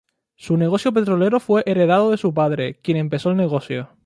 Su negocio petrolero fue heredado de su padre, quien empezó el negocio.